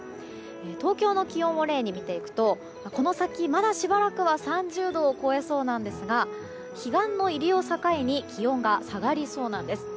東京の気温を例に見ていくとこの先、まだしばらくは３０度を超えそうなんですが彼岸の入りを境に気温が下がりそうなんです。